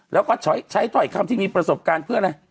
แล้วก็ใช้ถ้อยคำที่มีประสบการณ์เพื่ออะไร